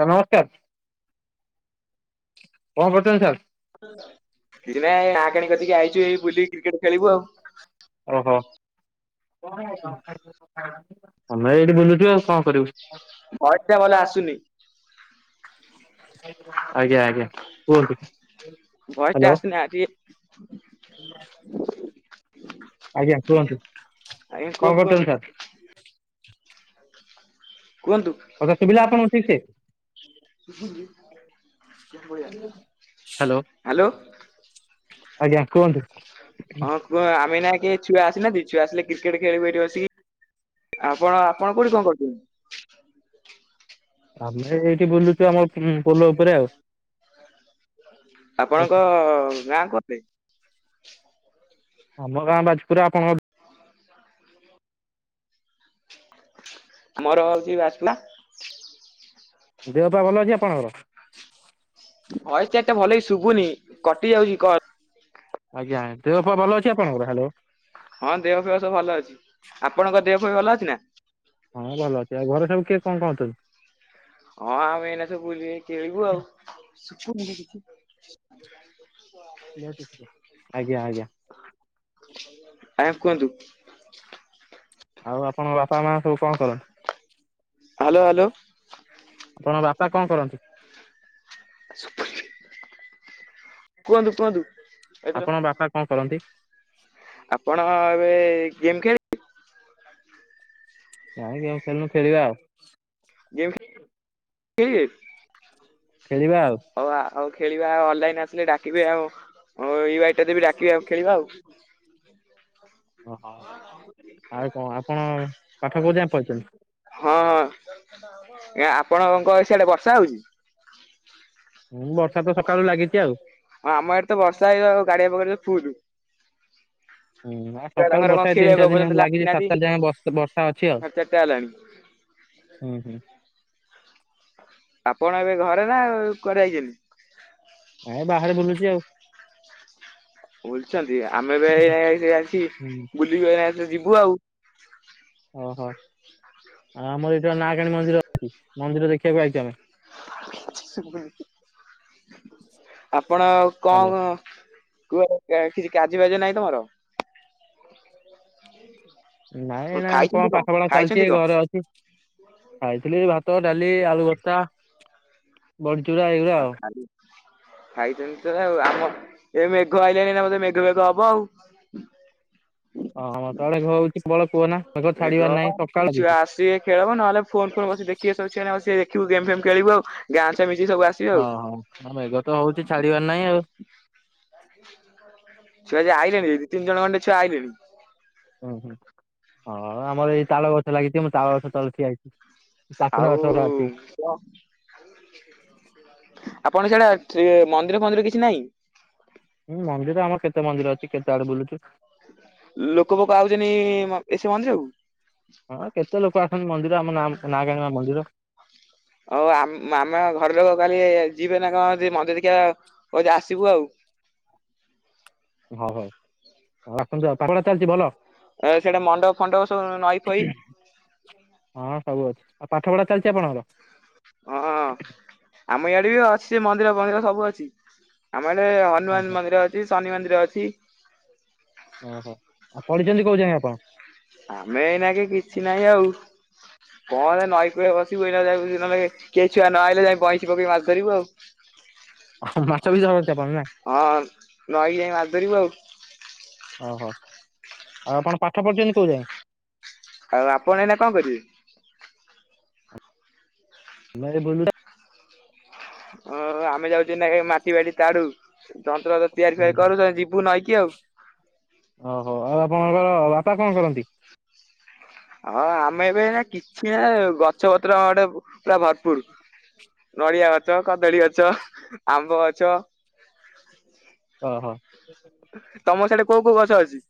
Sir ନମସ୍କାର କଣ କରୁଛନ୍ତି ସାର୍? କିଛି ନାଇ ନା କଣତିିକି ଆଇଛୁ ଏ ବୁଲି କ୍ରିକେଟ ଖେଳିବୁ ଆଉ। ଓହୋ। ଆମେ ଏଇଠି ବୁଲୁଛ ଆଉ କଣ କରିବୁ? ଭଏସ ଟା ଭଲ ଆସୁନି ଆଜ୍ଞା ଆଜ୍ଞା କୁହନ୍ତୁ? ଭଏସ ଟା ହ୍ୟାଲୋ। ଆସୁନି ଆ ଟିକେ [unintelligible] ଆଜ୍ଞା କୁହନ୍ତୁ ଆଜ୍ଞା କଣ କୁହନ୍ତୁ କୁହନ୍ତୁ କରୁଛନ୍ତି ସାର୍? କୁହନ୍ତୁ। କଥା ସୁୁବିଲା ଆପଣଙ୍କୁ ଠିକ ସେ? ଶୁଭୁଚି, ହ୍ୟାଲୋ। ଆଜ୍ଞା କୁହନ୍ତୁ? ହଁ କୁହ ଆମେ ନା କି ଛୁଆ ଆସିନାନ୍ତି ଛୁଆ ଆସିଲେ କ୍ରିକେଟ ଖେଳବୁ ଏଇଠି ବସିକି। ଆପଣ ଆପଣ କୋଉଠି କଣ କରୁଛନ୍ତି? ଆମେ ଏଇଠି ବୁଲୁଛୁ ଆମ ପୋଲ ଉପରେ ଆଉ। ଆପଣଙ୍କ ଗାଁ କୁଆଡେ? ଆମ ଗାଁ ବାଜପୁର। ଆପଣଙ୍କ? ଆ ମୋର ହଉଛି ବାସପଲା। ଦେହ ପା ଭଲ ଅଛି ଆପଣଙ୍କର? ଭାୟସ ଚାରଟା ଭଲକି ଶୁଭୁନି କଟି ଯାଉଛି କଲ। ଆଜ୍ଞା ଦେହ ପା ଭଲ ଅଛି ଆପଣଙ୍କର? ହ୍ୟାଲୋ। ହଁ ଦେହ ଫେହ ସବୁ ଭଲ ଅଛି ଆପଣଙ୍କ ଦେହ ଫେହ ଭଲ ଅଛି ନା? ହଁ ଭଲ ଅଛି ଆଉ ଘରେ ସବୁ କିଏ କଣ କହୁଛନ୍ତି? ହଁ ଆମେ ଏଇନା ସବୁ ବୁଲିବେ ଖେଳିବୁ ଆଉ [inaudible] ଆଜ୍ଞା ଆଜ୍ଞା ଆଜ୍ଞା କୁହନ୍ତୁ। ଆଉ ଆପଣଙ୍କ ବାପା ମା ସବୁ କଣ କରନ୍ତି? Hello hello. ଆପଣଙ୍କ ବାପା କଣ କରନ୍ତି? କୁହନ୍ତୁ କୁହନ୍ତୁ। ଏଥର ଆପଣଙ୍କ ବାପା କଣ କରନ୍ତି? ଆପଣ ଏବେ ଗେମ୍ ଖେଳିବେ? କାଇଁ ଖେଳୁନୁ ଖେଳିବା ଆଉ। [unintelligible] ଖେଳିବା ଆଉ। ହଉ ଆ- ଆଉ ଖେଳିବା ଅନଲାଇନ ଆସିଲେ ଡାକିବେ ଆଉ ଡାକିବି ଆ ଖେଳିବା ଆଉ। [inaudible] ଓହୋ ଆଉ କଣ ଆପଣ ପାଠ କୋଉ ଯାଏଁ ପଢିଛନ୍ତି? ହଁ ହଁ ଏ ଆପଣଙ୍କ ସିଆଡେ ବର୍ଷା ହଉଛି? ହୁଁ ବର୍ଷା ତ ସକାଳୁ ଲାଗିଛି ଆଉ। ଆମ ଆଡେ ତ ବର୍ଷା ହେଇ ଗାଡିଆ ପକର ଫୁଲୁ। ହୁଁ କାଳୁ ବର୍ଷା ତିନି ଚାରି ଦିନ ଏପର୍ଯ୍ୟନ୍ତ ହେଲେ ଲାଗିଛି ଆସିନାହାନ୍ତି। ସାତ ଚାରି ଯାଏଁ ବ ବର୍ଷା ଅଛି ଆଉ। ସାଢେ ଚାରିଟା ହେଲାଣି ହୁଁ ହୁଁ। ଆପଣ ଏବେ ଘରେ ନା କୁଆଡେ ଯାଇଛନ୍ତି? ଆଁ ବାହାରେ ବୁଲୁଛି ଆଉ। ବୁଲଛନ୍ତି ଆମେ ବି ଏ ଆସି ହୁଁ ବୁଲିକି ଯିବୁ ଆଉ। ଓହୋ ଆଉ ଆମର ଏଇଟା ନକଣୀ ମନ୍ଦିର ଅଛି ମନ୍ଦିର ଦେଖିବାକୁ ଆଇଛୁ ଆମେ। ଆପଣ ହ୍ୟାଲୋ କଣ କୁ କିଛି କାଜି ବାଜି ନାହିଁ ତମର? ନାଇଁ ଉଁ, ଏଇନା ଖାଇଛନ୍ତି କଣ ପାଠ ପଢା ଚାଲିଛି ଖାଇଛନ୍ତି କଣ? ଘରେ ଅଛି ଖାଇଥିଲି ଭାତ ଭାତ, ଡାଲି, ଆଳୁ ଭର୍ତା, ବଡି ଆଉ ଖାଲି ଖାଇଛନ୍ତି ତ ଆ ଆମ ଏ ମେଘ ଆଇଲାଣି ନା ମତେ ମେ କେବେ କ ହବ ଆଉ। ହଁ ମତ ଆଡେ ହଉଛି କେବଳ ମେଘ ହବ ଏ ଛୁଆ ଆସିବେ ଖେଳ ହବ ନହେଲେ ଫୋନ ଫୁ ବସି ଦେଖିବେ ସବୁ ଛୁଆ। ଖିବୁ ଗେମ୍ ଫେମ ଖେଳିବୁ ଆଉ ଗାଁଟା ଓଁ ହୋ ମ ମେଘ ତ ହଉଛି ଛାଡିବାର ନାହିଁ ଆଉ। ଛୁଆ ଆଜି ଆଇଲେଣି ଦି ତିନି ଜଣ ଅଣ୍ଡେ ଛୁଆ ଆଇଲେଣି। ହୁଁ ହୁଁ ହଁ ଆମର ଏଇ ତାଳ ଗଛ ଲାଗିଛି ମୁ ତାଳ ଗଛ ତଳେ ଠିଆ ହେଇଛି। ଟାକୁନା ଆଉ ଗଛ ଅଛି କ ଆପଣ ସିଆଡେ ଠି ମନ୍ଦିର ଫନ୍ଦିର କିଛି ନାହିଁ? ହୁଁ ମନ୍ଦିର ଆମର କେତେ ମନ୍ଦିର ଅଛି କେତେ ଆଡେ ବୁଲୁଛୁ। ଲୋକ ପୋକ ଆଉଚନ୍ତି ସେ ମନ୍ଦିରକୁ? ହଁ କେତେ ଲୋକ ଆସନ୍ତି ମନ୍ଦିର ଆମ ନାମ ନାଗାଁ ମନ୍ଦିର। ହଉ ଆମ ଆମ ଘର ଲୋକ କାଲି ଯିବେ ନା କ ଜି ମନ୍ଦି [unintelligible] ଦେଖିବାକୁ କହିଲେ ଆସିବୁ ଆଉ। ହଭାଇ ହଉ ଆସନ୍ତୁ ଆ ପଡରା ଚାଲିଛି ଭଲ। ସେଟା ମଣ୍ଡପ ଫଣ୍ଡପ ସବୁ ନଈ ଫଇ ହଁ ସବୁ ଅଛି ଆଉ ପାଠ ପଢା ଚାଲିଛି ଆପଣଙ୍କର? ହଁ। ଆମ ଇଆଡେ ବି ଅଛି ସେ ମନ୍ଦିର ଫନ୍ଦିର ସବୁ ଅଛି ଆମ ଏଡେ ହନୁମାନ ଓହୋ ମନ୍ଦିର ଅଛି ଶନି ମନ୍ଦି ନ୍ଦିର ଅଛି। ଓହୋ, ଆ ପଡିଛନ୍ତି କୋଉ ଯାଏ ଆପଣ? ଆମେ ଏଇନା କି କିଛି ନାହିଁ ଆଉ। [inaudible] କଣ ନଈ କୂଳେ ବସିବୁ [unintelligible] କିଏ ଛୁଆ ନହଲେ ଯାଇ ବଇଁସି ପକେଇି ମାଛ ଧରିବୁ ଆଉ। ମାଛ ବି ଧରନ୍ତି ଆପଣ ନାଁ? ହଁ [unintelligible] ଆଉ ଓହୋ ଆଉ ଆପଣ ପାଠ ପଢ଼ିଛନ୍ତି କୋଉ ଯାଇ? ଆଉ ଆପଣ ଏଇନା କଣ କରିବେ? [unintelligible] ଓ ଆମେ ଯାଉଚୁ ନା ମାଟି ବାଟି ତାଡୁ ଯନ୍ତ୍ରପ ତିଆରି ଫୁଆରି କରୁ ଯିବୁ ନଇ କି ଆଉ। ଆ ପଣଙ୍କର ବାପା କଣ କରନ୍ତି? ହଁ ଆମେ ଏବେ ନା କିଛି ନା ଗଛ ପତ୍ର ଗଟେ ପୁରା ଭରପୁର। ନଡିଆ ଗଛ, କଦଳୀ ଗଛ, ଆମ୍ବ ଗଛ ଓ ହୋ। ତମ ସିଆଡେ କୋଉ କୋଉ ଗଛ ଅଛି?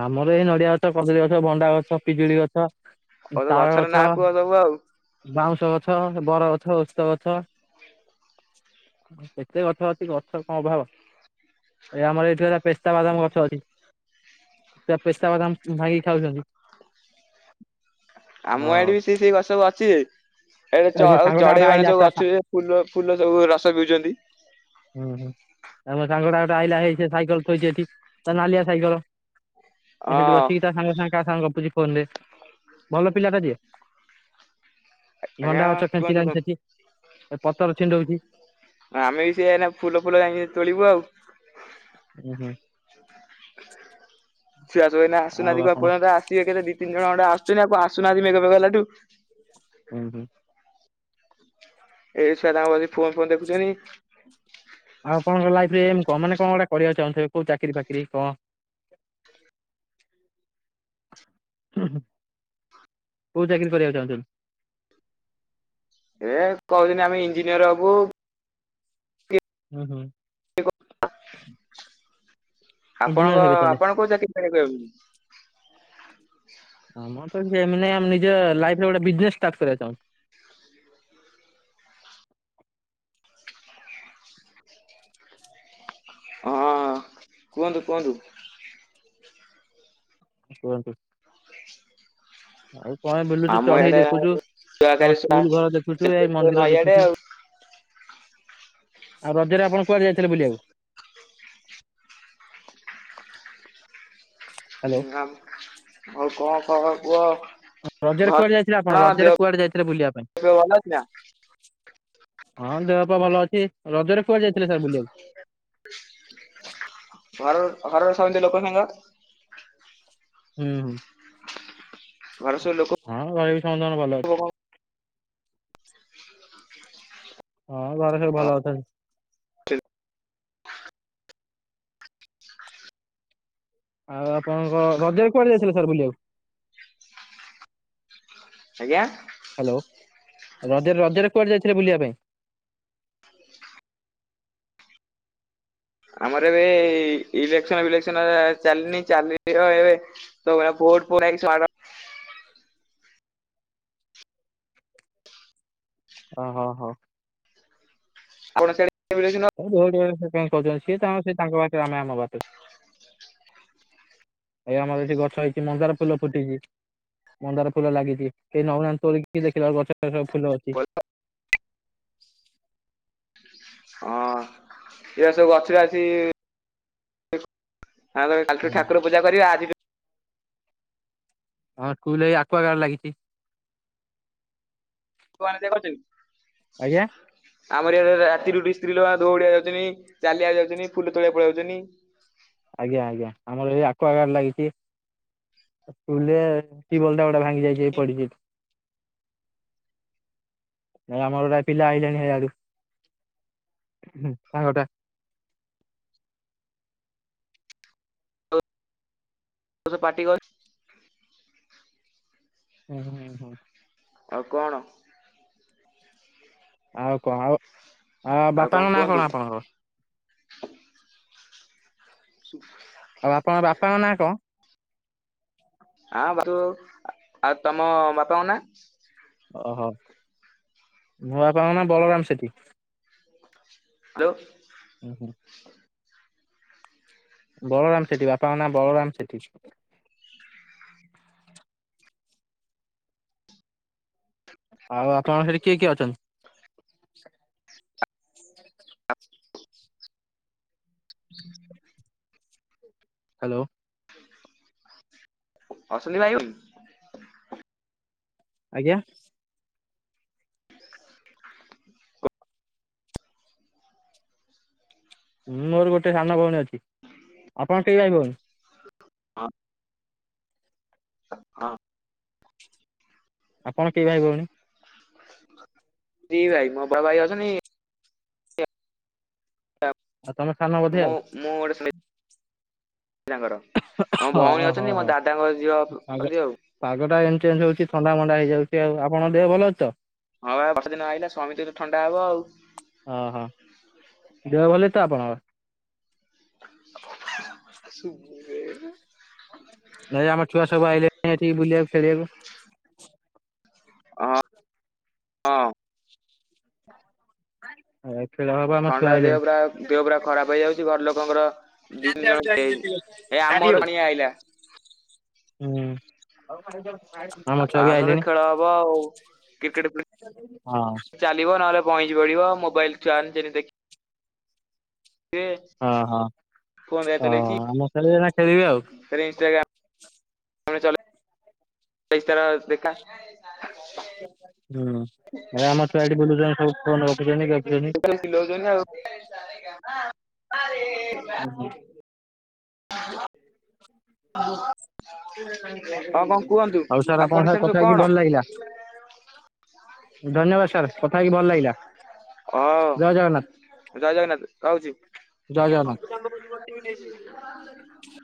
ଆମର ଏଇ ନଡିଆ ଗଛ, କଦଳୀ ଗଛ, ଭଣ୍ଡା ଗଛ, ପିଜୁଳି ଗଛ। ହଉ ତ ତାଳ ଗଛର ଗଛ, ନାଁ କୁହ ସବୁ ଆଉ ବାଉଁଶ ଗଛ, ବର ଗ ଛ ଓସ୍ତ ଗଛ, କେତେ ଗଛ ଅଛି ଗଛ କଣ ଅଭାବ। ଏ ଆମର ଏଇଠି ପେସ୍ତାବାଦାମ ଗଛ ଅଛି। ତ ପେସ୍ତା ବାଦାମ ଭାଇ ଖାଉଛନ୍ତି। ଆମ ହଁ। ଆଡେ ବି ସେ ସେଇ ଗଛ ସ ଅଛି ଯେ ଏଟ ଏ ଚ ମୋ ସାଙ୍ଗଟା ଗୋଟେ ଚଢେଇ ମାନେ ଆଇଲା ସବୁ ତା ସା ଅଛ ଫୁଲ ଫୁଲ ସବୁ ରସ ପିଉଛନ୍ତି। ହୁଁ ହୁଁ ତାମ ସାଙ୍ଗଡା ଗୋଟେ ଆଇଲା ହେଇ ସାଇକେଲ ଥୋଇଛି ଏଠି, ତା ନାଲିଆ ସାଇକେଲ। ଆଉ ସେଠି ହଁ ବସିକି ତା ସାଙ୍ଗ ସାଙ୍ଗେ କା ସଙ୍ଗେ [unintelligible] ଆଜ୍ଞା ଭଣ୍ଡା ଗଛ କୁହନ୍ତୁ ଖେଞ୍ଚିଲାଣି କୁହନ୍ତୁ ସେଠି ପତର ଛିଣ୍ଡଉଛି। ଆମେ ବି ସେଇଆ, ଫୁଲ ଫୁଲ ଯାଇ ତୋଳିବୁ ଆଉ ଓ ହୋ ସିଏ ଆସୁ ଇନା ଆଉ ଆସୁନାହାନ୍ତି ଆପଣ [unintelligible] ଆସିବେ କେତେ ଦି ତିନି ଜଣ ଖଣ୍ଡେ ସିନା ପଆ ଆସୁନ ହୁଁ ହୁଁ। ଏ ଛୁଆ ତାଙ୍କ ଫୋନ ଫୋନ ଦେଖୁଛନ୍ତି କ ମାନେ କଣ ଗୋଟେ କରିବାକୁ ଚାହୁଁଥିବେ କୋଉ ଚାକିରରି ଫାକିରୀ କଣ? ଉଁ ହୁ କୋଉ ଚାକିରି କରିବାକୁ ଚାହୁଁଛନ୍ତି? ଏ କହୁଛନ୍ତି ଆମେ ଇଞ୍ଜିନିୟର ହବୁ ହୁଁ ହୁଁ ଇଞ୍ଜିନିୟର ଆପଣଙ୍କ ହେବେ ତାହେଲେ ଆପଣ କଉ ଚାକିରୀ କରିବାକୁ ଚାହୁଁଛନ୍ତି? ଆମର କିଛି ଏମ ନାହିଁ ଆମେ ନିଜେ ଲାଇଫରେ ଗୋଟେ ବିଜନେସ ଷ୍ଟାର୍ଟ କରିବାକୁ ଚାହୁଁଚୁ। [inaudible] ହଁ କୁହନ୍ତୁ କୁହନ୍ତୁ। କୁହନ୍ତୁ [unintelligible] ହଁ ବୁଲୁଛୁ ଆମ ଚଢେଇ ଇଆଡେ ଦେଖୁଛୁ, ଛୁଆ କାଲି ସ୍କୁଲ ଘର ଦେଖୁଛୁ ଏଇ ମନ୍ଦିର ନଈଆଡେ ଦେଖୁଛୁ। ଆଉ ରଜରେ ଆପଣ କୁଆଡେ ଯାଇଥିଲେ ବୁଲିବାକୁ? [unintelligible] ହ୍ୟାଲୋ ଆଉ କଣ ଖବର କୁହ? ରଜରେ ଘର କୁଆଡେ ଯାଇଥିଲେ ଆପଣ କଣ ରଜରେ ଦେହ କୁଆଡେ ଯାଇଥିଲେ ବୁଲିବା ପାଇଁ? ଫେହ ଭଲ ଅଛି ନା ହଁ ଦେହପପା ଭଲ ଅଛି। ରଜରେ କୁଆଡେ ଯାଇ [unintelligible] ଆଉ ଘରର ସମସ୍ତେ ଲୋକ ସାଙ୍ଗ ହୁଁ। ଘର ସବୁ ଲୋକ ହଁ ଭାଇ ସମସ୍ତଙ୍କର ଭଲ ଅଛି। ହଁ ଘରେ ସବୁ ଭଲ ଅଛନ୍ତି। ଆଉ ଆପଣଙ୍କ ରଜରେ କୁଆଡେ ଯାଇଥିଲେ ସାର୍ ବୁଲିବାକୁ? ଆଜ୍ଞା? ହ୍ୟାଲୋ ରଜରେ, ରଜରେ କୁଆଡେ ଯାଇଥିଲେ ବୁଲିବା ପାଇଁ? ଆମର ଏବେ-ଏ-ଏ-ଏ ଇଲେକ୍ସନ୍ ଫିଲେକ୍ସନ୍ ଚାଲିନି ଚାଲିବ ଏବେ ସମୟ ପ କୋଟ୍ ପରା ‌ହେଇକି ସ୍ବାଗ [unintelligible] ଓ ହୋ ହୋ ଆପଣଙ୍କ ସେଆଡେ଼ [inaudible] ସେ କଣ କହୁଛନ୍ତି ସିଏ ତାଙ୍କ ସେ ତାଙ୍କ ବାଟରେ ଆମେ ଆମ ବାଟରେ। ଏ ଆମର ଏଇଠି ଗଛ ହେଇଛି, ମନ୍ଦାର ଫୁଲ ଫୁଟିଛି। ମନ୍ଦାର ଫୁଲ ଲାଗିଛି କେହି ନଉନାହାନ୍ତି ତୋଳିକି ଦେଖିଲା ବେଳକୁ ଗଛରେ ସବୁ ଫୁଲ ଅଛି। ହଁ ହଁଅ-ଅ ଏ ସବୁ [inaudible] ଆଛି ଆଉ ତେବେ କାଲିଠୁ ହୁଁ ଠାକୁର ପୂଜା କରିବେ ଆଜିଠୁ ହଁ ସ୍କୁଲରେ ଏ ଆକ୍ୱାଗାଡ଼୍ ଲାଗିଛି। ଆଜ୍ଞା। ଆମର ଏଆଡେ [inaudible] ରାତିରୁ ଉଠିକି ସ୍ତ୍ରୀ ଲୋକ [inaudible] ଦୌଡ଼ିବାକୁ ଯାଉଛନ୍ତି ଚାଲିଆକୁ ଯାଉଛନ୍ତି ଫୁଲ ତୋଳିବାକୁ ପଳେଇ ଆଉଛନ୍ତି। ଆଜ୍ଞା-ଆଜ୍ଞା, ଆମର ଏଠି ଆକ୍ୱାଗାଡ୍ ଲାଗିଛି। ସ୍କୁଲରେ ଟିଉବଲଟା ଗୋଟେ ଭାଙ୍ଗି ଯାଇଛି ହେଇ ପଡିଛି ଏଠି ଯାହା ହଉ ଆମର ଗୋଟେ ପିଲା ଆଇଲାଣି ହେଆଡୁ, ସାଙ୍ଗଟା ତତେ ପାଟି କର୍ ହୁଁହୁଁ ହୁଁ। ଆଉ କଣ? ଆଉ କଣ ଆଉ ଆ ଆଉ ବାପାଙ୍କ ନାଁଆ କୁହନ୍ତୁ? କଣ ଆପଣଙ୍କର? ଆଉ ଆପଣଙ୍କ ବାପାଙ୍କ ନାଁ କଣ? ଆ [inaudible] ଆଉ ତମ ବାପାଙ୍କ ନାଁଆ? ଓହୋଃ ମୋ ବାପାଙ୍କ ନାଁଆ ବଳରାମ ସେଠୀ। ହ୍ୟାଲୋ। ହୁଁ-ହୁଁ। ବଳରାମ ସେଠୀ ବାପାଙ୍କ ନାଁଆ ବଳରାମ ସେଠୀ। ଆଉ ଆପଣଙ୍କ ସେଠି କିଏ କିଏ ଅଛନ୍ତି? ହ ହ୍ୟାଲୋ। ଅଶ୍ୱିନୀ [inaudible] ଆଜ୍ଞା? ଉଁ ମୋର ଗୋଟେ ସାନ ଭଉଣୀ ଅଛି, ଆପଣ କେଇ ଭାଇ ଭଉଣୀ? ହଁ ହଁ। ଆପଣ କେଇ ଭାଇ ଭଉଣୀ? ଦି ଭାଇ ମୋବା ଭାଇ ଅଛନ୍ତି ଆଉ ତମେ ସାନ ବଧେ ମୁଁ ଆଉ? ମୁଁ ଗୋଟେ ଶୁଣିଥିଲି [inaudible] ତାଙ୍କର ଆଉ ମୋ ହଁ ଭଉଣୀ ହଁ ହଁ ଅଛନ୍ତି ମୋ ହଁ ଦାଦାଙ୍କ ଝିଅ ପାଗ ଅଛନ୍ତି ଆଉ। ପାଗଟା ଏମିତି ଚେଞ୍ଜ ହଉଛି ଥଣ୍ଡା ମଣ୍ଡା ହେଇଯାଉଛି ଆଉ, ଆପଣଙ୍କ ଦେହ ଭଲ ଅଛି ତ? ହଁ ବା ବର୍ଷା ଦିନ ଆଇଲା ସମିତିଙ୍କି ତ ଥଣ୍ଡା ହବ ଆଉ। ଓହୋ [inaudible] ଆପଣଙ୍କର। ଶୁଭୁନି [inaudible] ନାଇଁ ଆମର ଛୁଆ ସବୁ ଆଇଲେଣି ଏଠିକି ବୁଲିବାକୁ ଖେଳିବାକୁ। ହଁ, ହଁ। ହେଇ ଥଣ୍ଡା ଦେହ ପୁରା ଦେହ ପୁରା ଖରାପ ହେଇଯାଉଚି। ଘର ଲୋକଙ୍କର ଦି ତିନି ଜଣ [unintelligible] ଏ ଆ ମୋର [unintelligible] ଆଇଲା। ହୁଁ। ଆମ ଛୁଆ ବି ଆସନ୍ତେ ଆଇଲେଣି। ଖେଳ ହବ ଆଉ କ୍ରିକେଟ ହଁ ଚାଲିବ ନହେଲେ [unintelligible] ପଡିବ ମୋବାଇଲ ଚାର୍ଜ ରେ ଦେଖି କିଏ ହଁ ହଁ ଫୋନ ର ହଁ ଚଲେଇଚି ଆମ ଖେଳିବେ ନା ଖେଳିବେ ଆଉ। ଇଷ୍ଟାଗ୍ରାମ୍ ଫୋନ୍ ରେ ଚଲେ ଇଷ୍ଟାଗ୍ରାମ୍ ରେ ଦେଖା ହୁଁ ହେରା ଆମ ଛୁଆ ଏଠି ବୁଲୁଛନ୍ତି ସବୁ ଫୋନ୍। ଚିଲଉଛନ୍ତି ଆଉ [unintelligible] [inaudible] ହଁ କଣ କୁହନ୍ତୁ ଆଉ ସାର୍ ଆପଣଙ୍କ ଆପଣ ସଙ୍ଗେ ସେଠୁ କଥା କଣ? ହେଇକି ଭଲ ଲାଗିଲା। [inaudible] ଧନ୍ୟବାଦ ସାର୍ କଥା ହେଇକି ଭଲ ଲାଗିଲା। ଓ ଜୟ ଜଗନ୍ନାଥ। ଜୟ ଜଗନ୍ନାଥ ରହୁଛି। ଜୟ ଜଗନ୍ନାଥ।